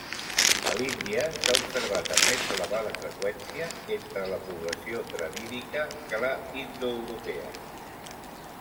A l'Índia s'ha observat en més elevada freqüència entre la població dravídica que la indoeuropea.